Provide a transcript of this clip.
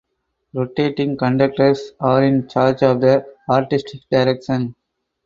Rotating conductors are in charge of the artistic direction.